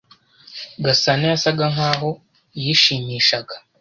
Gasana yasaga nkaho yishimishaga.